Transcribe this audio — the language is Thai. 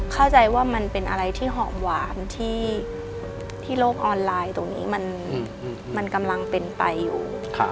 เข้าใจว่ามันเป็นอะไรที่หอมหวานที่โลกออนไลน์ตรงนี้มันกำลังเป็นไปอยู่